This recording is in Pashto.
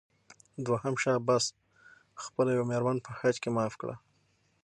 دوهم شاه عباس خپله یوه مېرمن په حج کې معاف کړه.